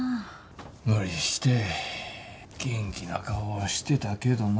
無理して元気な顔はしてたけどな。